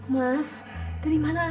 mas dari mana aja sih